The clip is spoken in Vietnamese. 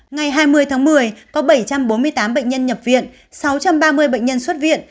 ngày hai mươi tháng một mươi có bảy trăm bốn mươi tám bệnh nhân nhập viện sáu trăm ba mươi bệnh nhân xuất viện